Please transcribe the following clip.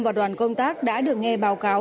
và đoàn công tác đã được nghe báo cáo